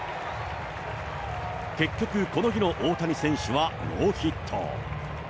結局、この日の大谷選手はノーヒット。